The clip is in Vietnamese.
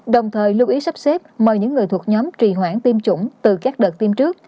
đồng thời lưu ý sắp xếp mời những người thuộc nhóm trì hoãn tiêm chủng từ các đợt tiêm trước